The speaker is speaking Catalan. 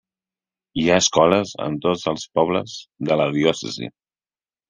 Hi ha escoles en tots els pobles de la diòcesi.